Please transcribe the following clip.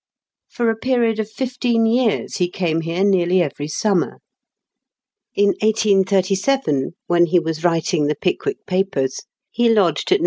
For a period of fifteen years he came here nearly every summer. In 1837, when he was writing the Pickwick Papers, he lodged at No.